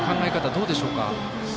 どうでしょうか？